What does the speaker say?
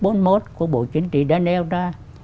bộ chính trị đã nêu ra